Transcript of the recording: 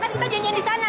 kan kita janjian di sana